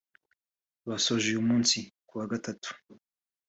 basoje uyu munsi (ku wa Gatatu)